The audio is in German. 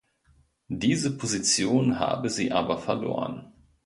Diese Position habe sie aber verloren.